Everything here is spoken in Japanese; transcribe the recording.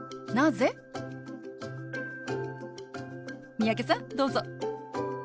三宅さんどうぞ。